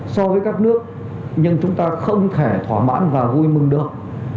so với các nước nhưng chúng ta không thể thỏa mãn và vui mừng được